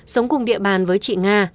sống cùng địa bàn với chị nga